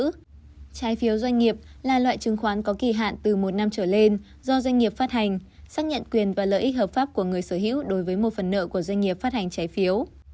trái phiếu doanh nghiệp là loại chứng khoán có kỳ hạn từ một năm trở lên do doanh nghiệp phát hành xác nhận quyền và lợi ích hợp pháp của người sở hữu đối với một phần nợ của doanh nghiệp phát hành trái phiếu